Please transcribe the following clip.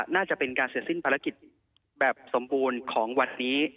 น่าจะเป็นการเสร็จสิ้นภารกิจแบบสมบูรณ์ของวัดนี้